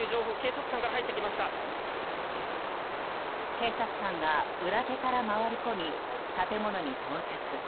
警察官が裏手から回り込み建物に到着。